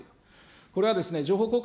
これは情報公開